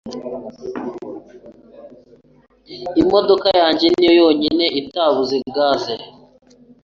Imodoka yanjye niyo yonyine itabuze gaze.